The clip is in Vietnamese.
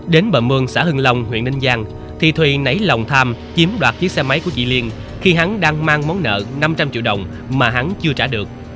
đến bà mương xã hưng long huyện ninh giang thì thùy nấy lòng tham chiếm đoạt chiếc xe máy của chị liên khi hắn đang mang món nợ năm trăm linh triệu đồng mà hắn chưa trả được